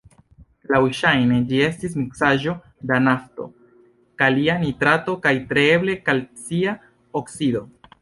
Laŭŝajne ĝi estis miksaĵo da nafto, kalia nitrato kaj tre eble kalcia oksido.